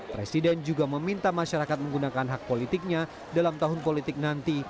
presiden juga meminta masyarakat menggunakan hak politiknya dalam tahun politik nanti